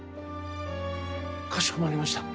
かしこまりました。